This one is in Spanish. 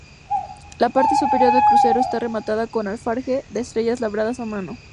La parte superior del crucero está rematada con alfarje de estrellas labradas a mano.